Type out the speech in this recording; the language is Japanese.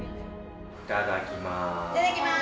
いただきます。